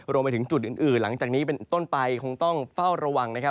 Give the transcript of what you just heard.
รวมไปถึงจุดอื่นหลังจากนี้เป็นต้นไปคงต้องเฝ้าระวังนะครับ